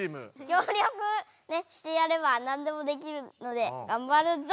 きょうりょくしてやればなんでもできるのでがんばるぞ！